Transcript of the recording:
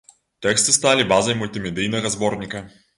Тэксты сталі базай мультымедыйнага зборніка.